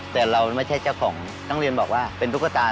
แต่เราไม่ใช่เจ้าของนักเรียนบอกว่าเป็นตุ๊กตา